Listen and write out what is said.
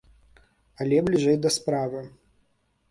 Але бліжэй да справы.